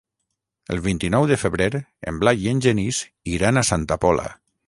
El vint-i-nou de febrer en Blai i en Genís iran a Santa Pola.